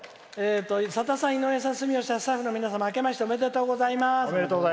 「さださん、井上さん住吉さん、スタッフの皆さんあけましておめでとうございます。